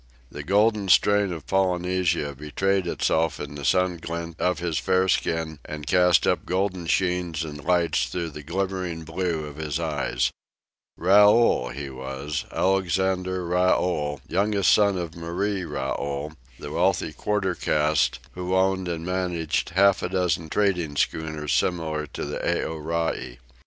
The golden strain of Polynesia betrayed itself in the sun gilt of his fair skin and cast up golden sheens and lights through the glimmering blue of his eyes. Raoul he was, Alexandre Raoul, youngest son of Marie Raoul, the wealthy quarter caste, who owned and managed half a dozen trading schooners similar to the Aorai.